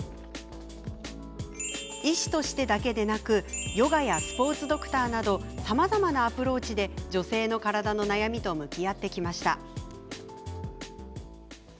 医師としてだけでなくヨガやスポーツドクターなどさまざまなアプローチで女性の体の悩みと向き合ってきました。